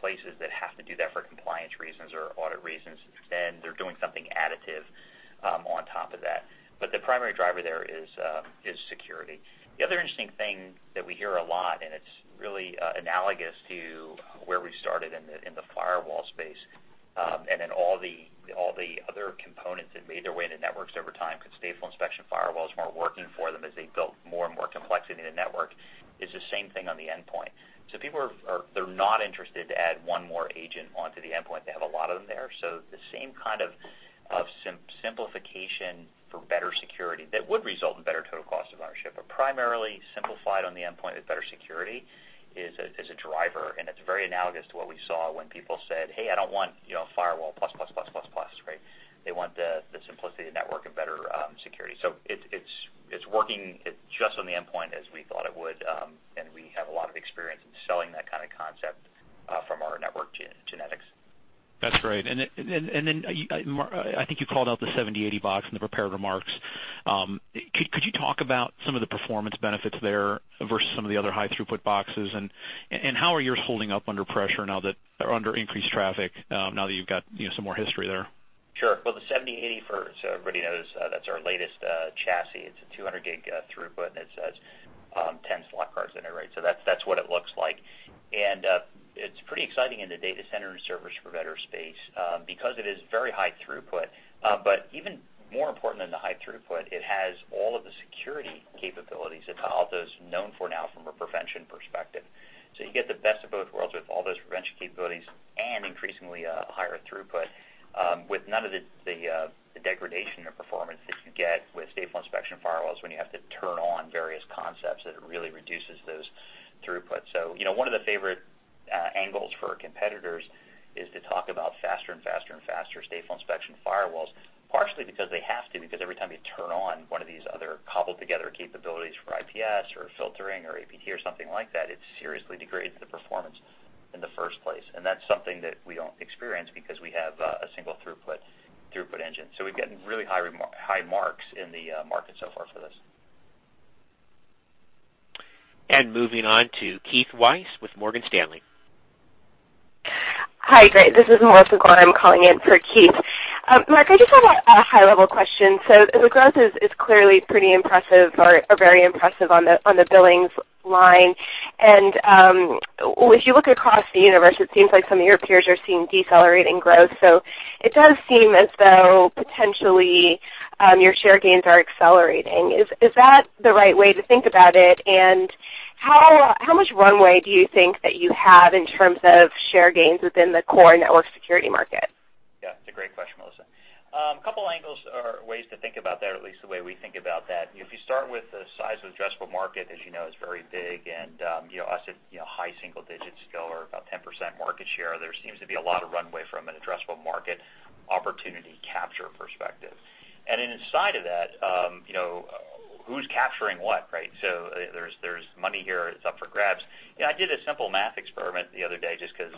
places that have to do that for compliance reasons or audit reasons. They're doing something additive on top of that. The primary driver there is security. The other interesting thing that we hear a lot, and it's really analogous to where we started in the firewall space, and then all the other components that made their way into networks over time because stateful inspection firewalls weren't working for them as they built more and more complexity in the network, is the same thing on the endpoint. People are not interested to add one more agent onto the endpoint. They have a lot of them there. The same kind of simplification for better security that would result in better total cost of ownership, but primarily simplified on the endpoint with better security is a driver, and it's very analogous to what we saw when people said, "Hey, I don't want firewall plus, plus, plus," right? They want the simplicity of network and better security. It's working just on the endpoint as we thought it would, and we have a lot of experience in selling that kind of concept from our network genetics. That's great. Mark, I think you called out the PA-7080 box in the prepared remarks. Could you talk about some of the performance benefits there versus some of the other high throughput boxes? How are yours holding up under pressure or under increased traffic now that you've got some more history there? Sure. The PA-7080 for, so everybody knows, that's our latest chassis. It's a 200 gig throughput, and it has 10 slot cards in it, right? That's what it looks like. And it's pretty exciting in the data center and service provider space because it is very high throughput. But even more important than the high throughput, it has all of the security capabilities that Palo Alto Networks is known for now from a prevention perspective. You get the best of both worlds with all those prevention capabilities and increasingly a higher throughput with none of the degradation of performance that you get with stateful inspection firewalls when you have to turn on various concepts that really reduces those throughputs. One of the favorite angles for our competitors is to talk about faster and faster stateful inspection firewalls, partially because they have to, because every time you turn on one of these other cobbled-together capabilities for IPS or filtering or APT or something like that, it seriously degrades the performance in the first place. That's something that we don't experience because we have a single throughput engine. We've gotten really high marks in the market so far for this. Moving on to Keith Weiss with Morgan Stanley. Hi, great. This is Melissa Gore. I'm calling in for Keith. Mark, I just have a high-level question. The growth is clearly pretty impressive or very impressive on the billings line. As you look across the universe, it seems like some of your peers are seeing decelerating growth. It does seem as though potentially, your share gains are accelerating. Is that the right way to think about it? How much runway do you think that you have in terms of share gains within the core network security market? Yeah. It's a great question, Melissa. A couple of angles or ways to think about that, or at least the way we think about that. If you start with the size of addressable market, as you know, it's very big and, us at high single digits still or about 10% market share, there seems to be a lot of runway from an addressable market opportunity capture perspective. Inside of that, who's capturing what, right? There's money here. It's up for grabs. I did a simple math experiment the other day just because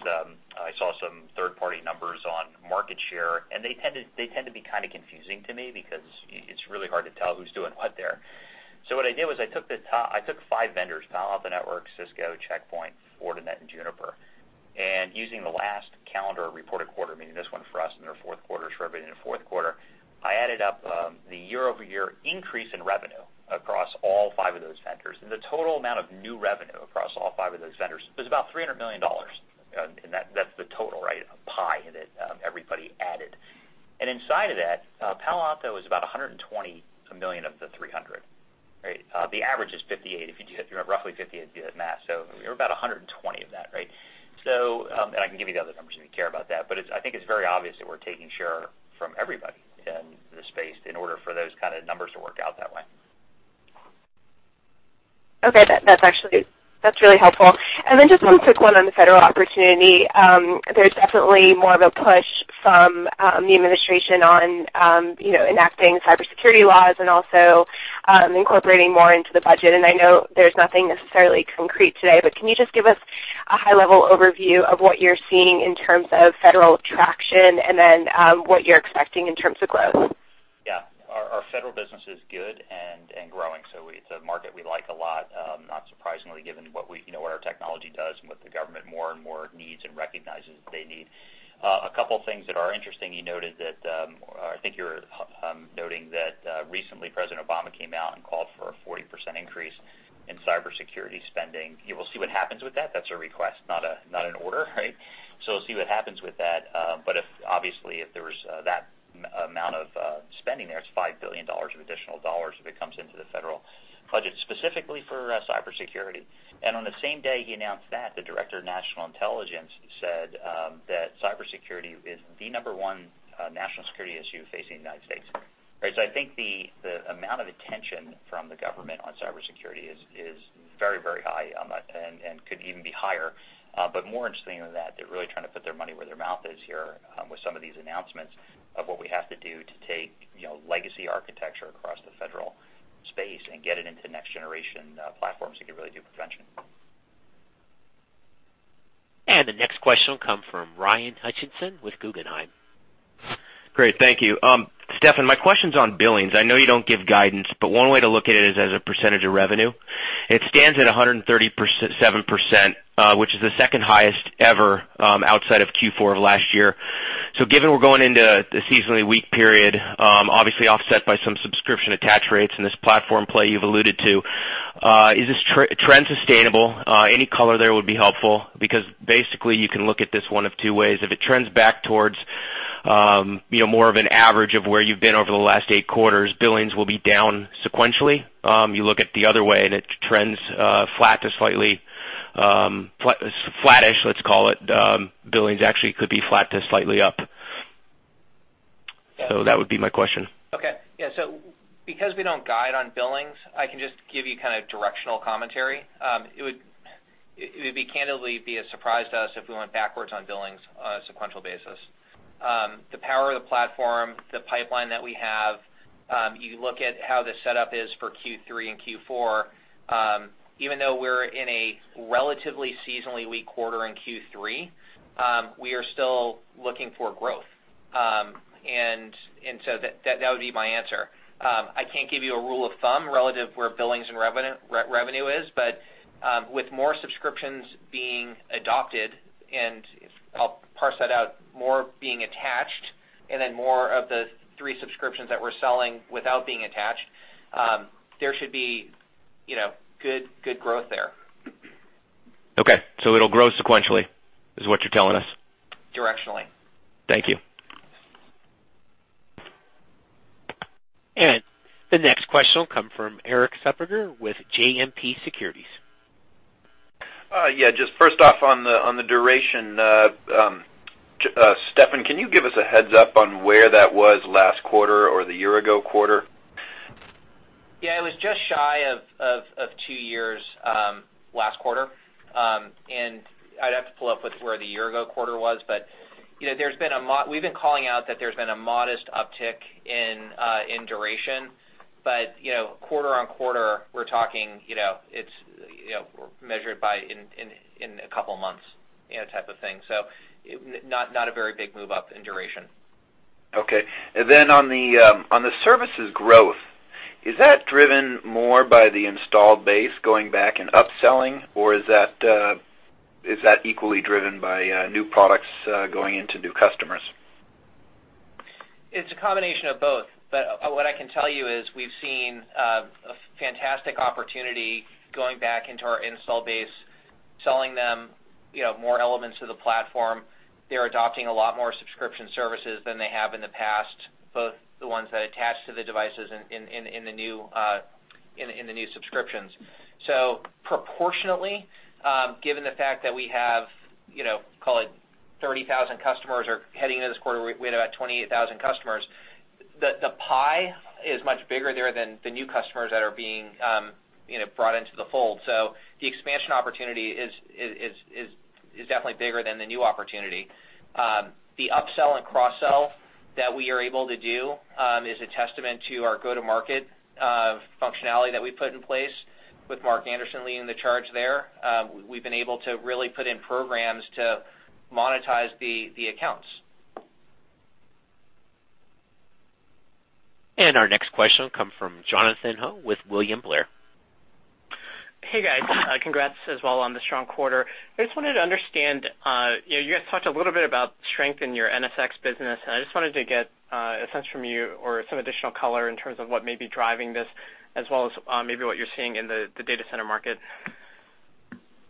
I saw some third-party numbers on market share, and they tend to be kind of confusing to me because it's really hard to tell who's doing what there. What I did was I took five vendors, Palo Alto Networks, Cisco, Check Point, Fortinet, and Juniper. Using the last calendar reported quarter, meaning this one for us in their fourth quarter, short of it in the fourth quarter, I added up the year-over-year increase in revenue across all five of those vendors. The total amount of new revenue across all five of those vendors was about $300 million. That's the total pie that everybody added. Inside of that, Palo Alto is about $120 million of the $300. The average is roughly $58 if you did the math. We were about $120 of that. I can give you the other numbers if you care about that, but I think it's very obvious that we're taking share from everybody in the space in order for those kind of numbers to work out that way. Okay. That's really helpful. Just one quick one on the federal opportunity. There's definitely more of a push from the administration on enacting cybersecurity laws and also incorporating more into the budget, and I know there's nothing necessarily concrete today, but can you just give us a high-level overview of what you're seeing in terms of federal traction and then what you're expecting in terms of growth? Yeah. Our federal business is good and growing. It's a market we like a lot, not surprisingly given what our technology does and what the government more and more needs and recognizes they need. A couple things that are interesting, I think you're noting that recently President Obama came out and called for a 40% increase in cybersecurity spending. We'll see what happens with that. That's a request, not an order, right? We'll see what happens with that. Obviously, if there was that amount of spending there, it's $5 billion of additional dollars if it comes into the federal budget, specifically for cybersecurity. On the same day he announced that, the Director of National Intelligence said that cybersecurity is the number one national security issue facing the United States. I think the amount of attention from the government on cybersecurity is very high, could even be higher. More interestingly than that, they're really trying to put their money where their mouth is here with some of these announcements of what we have to do to take legacy architecture across the federal space and get it into next-generation platforms that can really do prevention. The next question will come from Ryan Hutchinson with Guggenheim. Great. Thank you. Steffan, my question's on billings. I know you don't give guidance, but one way to look at it is as a percentage of revenue. It stands at 137%, which is the second highest ever, outside of Q4 of last year. Given we're going into the seasonally weak period, obviously offset by some subscription attach rates and this platform play you've alluded to, is this trend sustainable? Any color there would be helpful because basically you can look at this one of two ways. If it trends back towards more of an average of where you've been over the last eight quarters, billings will be down sequentially. You look at the other way, it trends flat to slightly flattish, let's call it. Billings actually could be flat to slightly up. That would be my question. Okay. Yeah. Because we don't guide on billings, I can just give you directional commentary. It would be candidly be a surprise to us if we went backwards on billings on a sequential basis. The power of the platform, the pipeline that we have, you look at how the setup is for Q3 and Q4. Even though we're in a relatively seasonally weak quarter in Q3, we are still looking for growth. That would be my answer. I can't give you a rule of thumb relative where billings and revenue is, but with more subscriptions being adopted, and I'll parse that out, more being attached and then more of the three subscriptions that we're selling without being attached, there should be good growth there. Okay. It'll grow sequentially is what you're telling us. Directionally. Thank you. The next question will come from Erik Suppiger with JMP Securities. Yeah, just first off on the duration, Steffan, can you give us a heads-up on where that was last quarter or the year-ago quarter? Just shy of two years last quarter. I'd have to pull up with where the year-ago quarter was. We've been calling out that there's been a modest uptick in duration. Quarter-on-quarter, we're talking, it's measured by in a couple of months type of thing. Not a very big move up in duration. Okay. On the services growth, is that driven more by the installed base going back and upselling, or is that equally driven by new products going into new customers? It's a combination of both. What I can tell you is we've seen a fantastic opportunity going back into our install base, selling them more elements of the platform. They're adopting a lot more subscription services than they have in the past, both the ones that attach to the devices in the new subscriptions. Proportionately, given the fact that we have, call it 30,000 customers or heading into this quarter, we had about 28,000 customers, the pie is much bigger there than the new customers that are being brought into the fold. The expansion opportunity is definitely bigger than the new opportunity. The upsell and cross-sell that we are able to do is a testament to our go-to-market functionality that we put in place with Mark Anderson leading the charge there. We've been able to really put in programs to monetize the accounts. Our next question will come from Jonathan Ho with William Blair. Hey, guys. Congrats as well on the strong quarter. I just wanted to understand, you guys talked a little bit about strength in your NSX business, and I just wanted to get a sense from you or some additional color in terms of what may be driving this, as well as maybe what you're seeing in the data center market.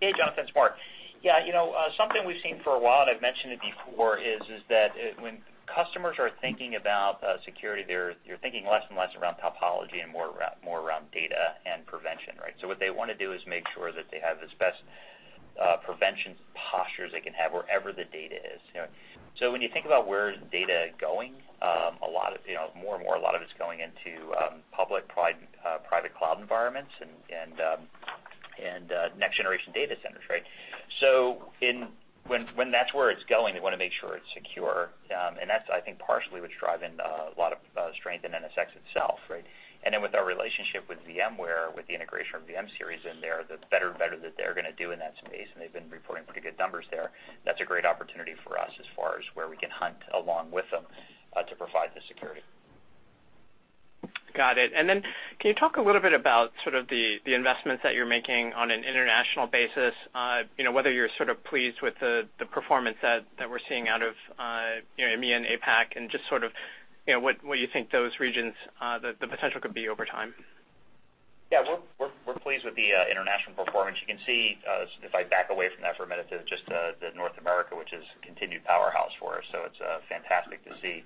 Hey, Jonathan. It's Mark. Yeah. Something we've seen for a while, and I've mentioned it before, is that when customers are thinking about security, they're thinking less and less around topology and more around data and prevention. What they want to do is make sure that they have as best a prevention posture as they can have wherever the data is. When you think about where is data going, more and more, a lot of it's going into public, private cloud environments, and next-generation data centers. When that's where it's going, they want to make sure it's secure. That's, I think, partially what's driving a lot of strength in NSX itself. With our relationship with VMware, with the integration of VM-Series in there, the better that they're going to do in that space, and they've been reporting pretty good numbers there. That's a great opportunity for us as far as where we can hunt along with them to provide the security. Got it. Can you talk a little bit about the investments that you're making on an international basis, whether you're sort of pleased with the performance that we're seeing out of EMEA and APAC and just sort of what you think those regions, the potential could be over time? Yeah, we're pleased with the international performance. You can see, if I back away from that for a minute to just the North America, which is a continued powerhouse for us. It's fantastic to see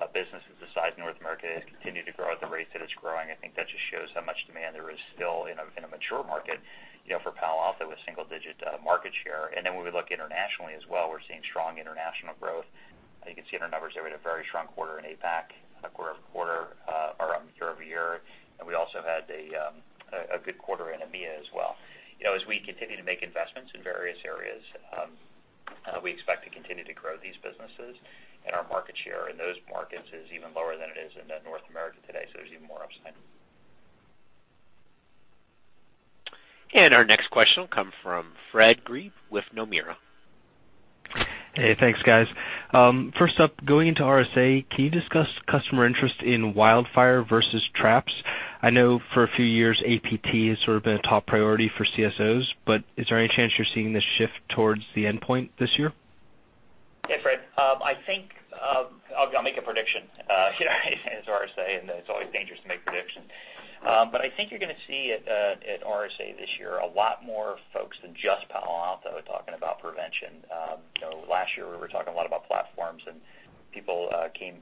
a business the size of North America continue to grow at the rate that it's growing. I think that just shows how much demand there is still in a mature market for Palo Alto, a single-digit market share. When we look internationally as well, we're seeing strong international growth. You can see in our numbers there, we had a very strong quarter in APAC, quarter-over-quarter, or year-over-year, and we also had a good quarter in EMEA as well. As we continue to make investments in various areas, we expect to continue to grow these businesses, and our market share in those markets is even lower than it is in North America today, so there's even more upside. Our next question will come from Fred Grebe with Nomura. Hey, thanks, guys. First up, going into RSA, can you discuss customer interest in WildFire versus Traps? I know for a few years, APT has sort of been a top priority for CSOs, but is there any chance you're seeing this shift towards the endpoint this year? Hey, Fred. I'll make a prediction. It's RSA, and it's always dangerous to make predictions. I think you're going to see at RSA this year a lot more folks than just Palo Alto talking about prevention. Last year, we were talking a lot about platforms, and people came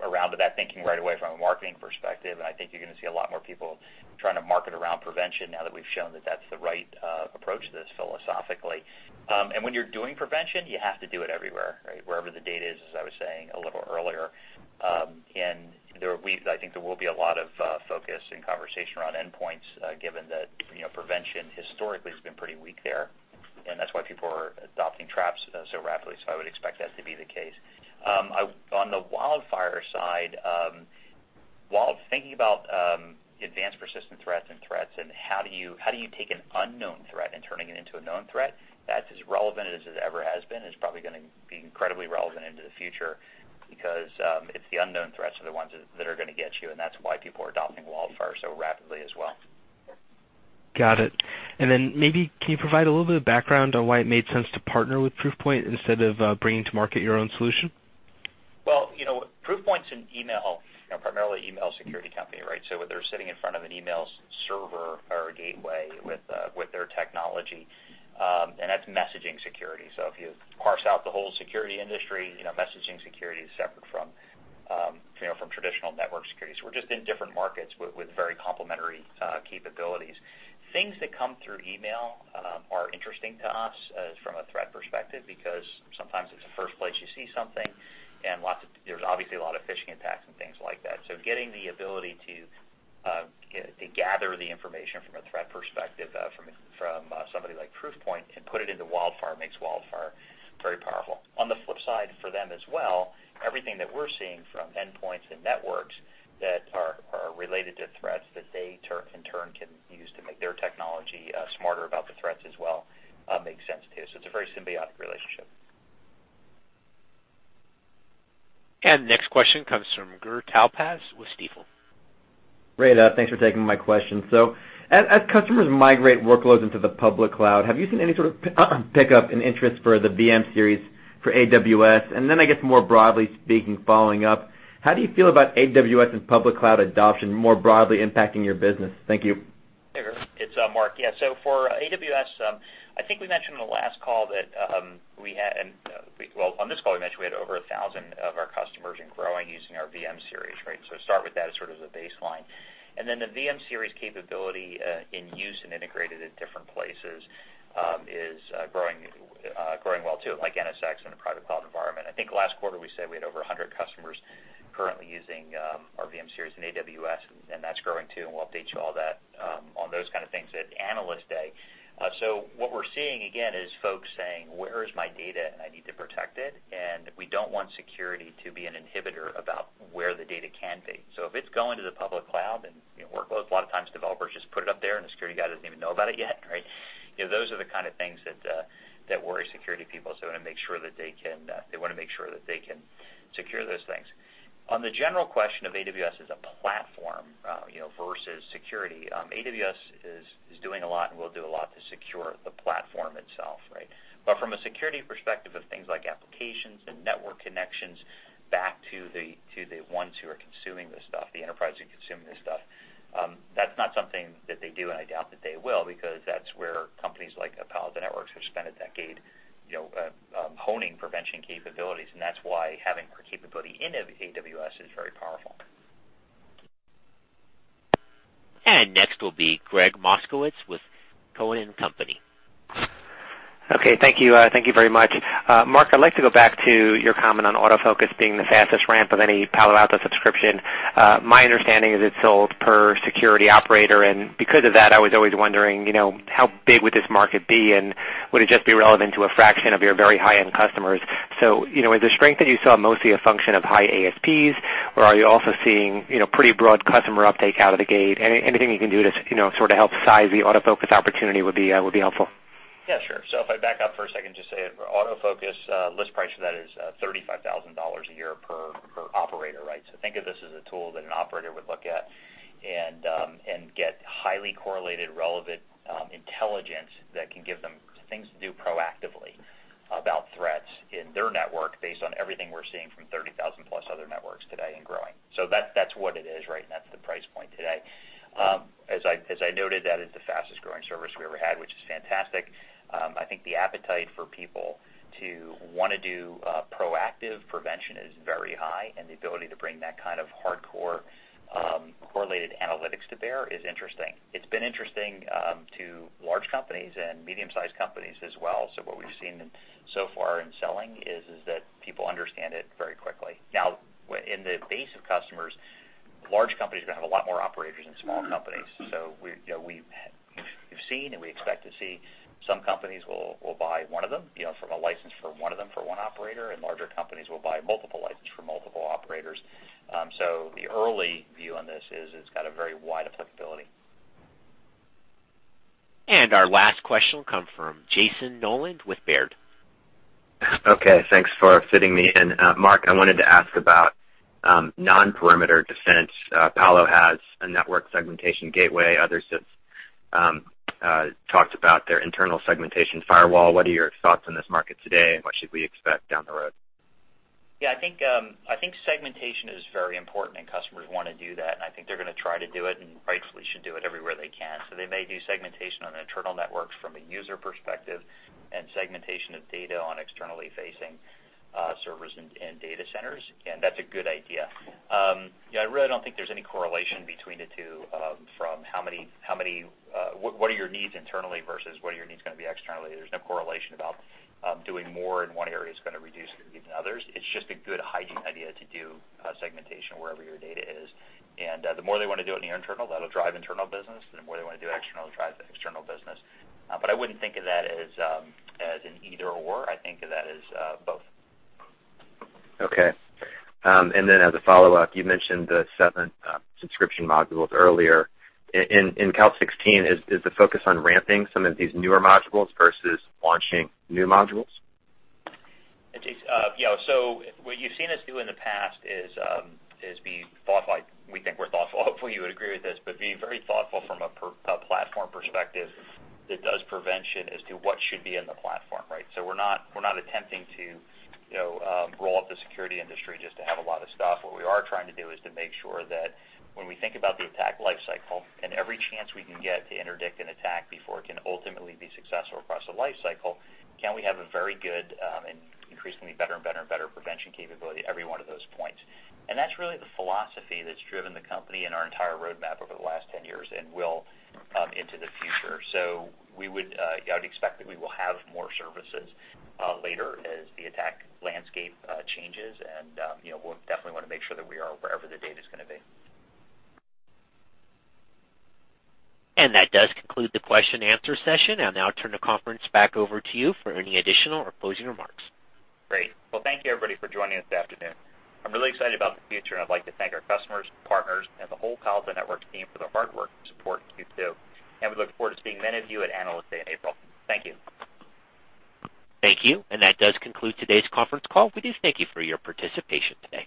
around to that thinking right away from a marketing perspective, and I think you're going to see a lot more people trying to market around prevention now that we've shown that that's the right approach to this philosophically. When you're doing prevention, you have to do it everywhere. Wherever the data is, as I was saying a little earlier. I think there will be a lot of focus and conversation around endpoints, given that prevention historically has been pretty weak there, and that's why people are adopting Traps so rapidly. I would expect that to be the case. On the WildFire side, while thinking about advanced persistent threats and how do you take an unknown threat and turning it into a known threat, that's as relevant as it ever has been, and it's probably going to be incredibly relevant into the future because it's the unknown threats are the ones that are going to get you, and that's why people are adopting WildFire so rapidly as well. Got it. Maybe can you provide a little bit of background on why it made sense to partner with Proofpoint instead of bringing to market your own solution? Well, Proofpoint's an email, primarily email security company. They're sitting in front of an email server or a gateway with their technology, and that's messaging security. If you parse out the whole security industry, messaging security is separate from traditional network security. We're just in different markets with very complementary capabilities. Things that come through email are interesting to us from a threat perspective because sometimes it's the first place you see something, and there's obviously Phishing attacks and things like that. Getting the ability to gather the information from a threat perspective from somebody like Proofpoint and put it into WildFire makes WildFire very powerful. On the flip side, for them as well, everything that we're seeing from endpoints and networks that are related to threats that they, in turn, can use to make their technology smarter about the threats as well, makes sense too. It's a very symbiotic relationship. Next question comes from Gur Talpaz with Stifel. Great. Thanks for taking my question. As customers migrate workloads into the public cloud, have you seen any sort of pickup in interest for the VM-Series for AWS? I guess more broadly speaking, following up, how do you feel about AWS and public cloud adoption more broadly impacting your business? Thank you. Hey, Gur. It's Mark. Yeah. For AWS, I think we mentioned in the last call that we had Well, on this call, we mentioned we had over 1,000 of our customers and growing using our VM-Series. Start with that as sort of the baseline. The VM-Series capability in use and integrated at different places is growing well too, like NSX in a private cloud environment. I think last quarter we said we had over 100 customers currently using our VM-Series in AWS, that's growing too, and we'll update you all on those kind of things at Analyst Day. What we're seeing again is folks saying, "Where is my data? I need to protect it." We don't want security to be an inhibitor about where the data can be. If it's going to the public cloud and workloads, a lot of times developers just put it up there and the security guy doesn't even know about it yet. Those are the kind of things that worry security people, so they want to make sure that they can secure those things. On the general question of AWS as a platform versus security, AWS is doing a lot and will do a lot to secure the platform itself. From a security perspective of things like applications and network connections back to the ones who are consuming this stuff, the enterprise who consume this stuff, that's not something that they do, and I doubt that they will, because that's where companies like Palo Alto Networks have spent a decade honing prevention capabilities, and that's why having our capability in AWS is very powerful. Next will be Gregg Moskowitz with Cowen and Company. Okay. Thank you very much. Mark, I'd like to go back to your comment on AutoFocus being the fastest ramp of any Palo Alto subscription. My understanding is it's sold per security operator, and because of that, I was always wondering, how big would this market be, and would it just be relevant to a fraction of your very high-end customers? Is the strength that you saw mostly a function of high ASPs, or are you also seeing pretty broad customer uptake out of the gate? Anything you can do to sort of help size the AutoFocus opportunity would be helpful. Yeah, sure. If I back up for a second, just say for AutoFocus, list price for that is $35,000 a year per operator. Think of this as a tool that an operator would look at and get highly correlated, relevant intelligence that can give them things to do proactively about threats in their network based on everything we're seeing from 30,000-plus other networks today and growing. That's what it is, and that's the price point today. As I noted, that is the fastest-growing service we ever had, which is fantastic. I think the appetite for people to want to do proactive prevention is very high, and the ability to bring that kind of hardcore, correlated analytics to bear is interesting. It's been interesting to large companies and medium-sized companies as well. What we've seen so far in selling is that people understand it very quickly. In the base of customers, large companies are going to have a lot more operators than small companies. We've seen and we expect to see some companies will buy one of them, from a license for one of them for one operator, and larger companies will buy multiple license for multiple operators. The early view on this is it's got a very wide applicability. Our last question will come from Jayson Noland with Baird. Okay, thanks for fitting me in. Mark, I wanted to ask about non-perimeter defense. Palo has a network segmentation gateway. Others have talked about their internal segmentation firewall. What are your thoughts on this market today, and what should we expect down the road? Yeah, I think segmentation is very important, and customers want to do that, and I think they're going to try to do it, and rightfully should do it everywhere they can. They may do segmentation on the internal networks from a user perspective and segmentation of data on externally facing servers and data centers. That's a good idea. I really don't think there's any correlation between the two, from what are your needs internally versus what are your needs going to be externally. There's no correlation about doing more in one area is going to reduce your needs in others. It's just a good hygiene idea to do segmentation wherever your data is. The more they want to do it in your internal, that'll drive internal business. The more they want to do external, it'll drive the external business. I wouldn't think of that as an either/or. I think of that as both. Okay. As a follow-up, you mentioned the seven subscription modules earlier. In CAL 16, is the focus on ramping some of these newer modules versus launching new modules? What you've seen us do in the past is be thoughtful. We think we're thoughtful. Hopefully, you would agree with this, but being very thoughtful from a platform perspective that does prevention as to what should be in the platform. We're not attempting to roll up the security industry just to have a lot of stuff. What we are trying to do is to make sure that when we think about the attack life cycle and every chance we can get to interdict an attack before it can ultimately be successful across a life cycle, can we have a very good and increasingly better and better prevention capability at every one of those points? That's really the philosophy that's driven the company and our entire roadmap over the last 10 years and will into the future. I would expect that we will have more services later as the attack landscape changes, and we'll definitely want to make sure that we are wherever the data's going to be. That does conclude the question and answer session. I'll now turn the conference back over to you for any additional or closing remarks. Great. Well, thank you, everybody, for joining us this afternoon. I'm really excited about the future, and I'd like to thank our customers, partners, and the whole Palo Alto Networks team for their hard work and support in Q2. We look forward to seeing many of you at Analyst Day in April. Thank you. Thank you. That does conclude today's conference call. We do thank you for your participation today.